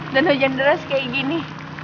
dan hujan deras kayak gini